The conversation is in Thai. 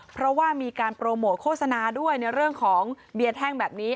เพราะว่ามีการโปรโมทโฆษณาด้วยในเรื่องของเบียร์แท่งแบบนี้